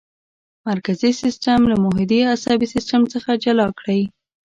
مرکزي سیستم له محیطي عصبي سیستم څخه جلا کړئ.